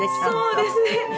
そうですね。